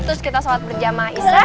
terus kita sholat berjamaah